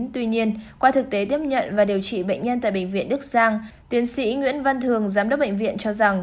tuy nhiên qua thực tế tiếp nhận và điều trị bệnh nhân tại bệnh viện đức giang tiến sĩ nguyễn văn thường giám đốc bệnh viện cho rằng